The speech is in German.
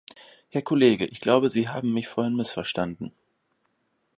Herr Kollege, ich glaube, Sie haben mich vorhin missverstanden.